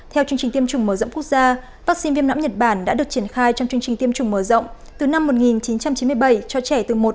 theo chương trình tiêm chủng mở rộng quốc gia vaccine viêm não nhật bản đã được triển khai trong chương trình tiêm chủng mở rộng từ năm một nghìn chín trăm chín mươi bảy cho trẻ từ một